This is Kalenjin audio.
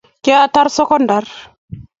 kiatar sekondar